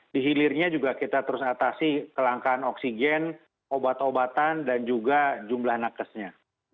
di hilirnya juga kita terus atasi kelangkaan oksigen obat obatan dan juga jumlah nakesnya